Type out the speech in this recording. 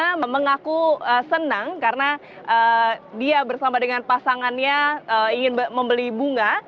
karena mengaku senang karena dia bersama dengan pasangannya ingin membeli bunga